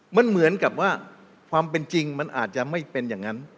มันเหมือนกับว่าความเป็นจริงมันอาจจะไม่เป็นอย่างนั้น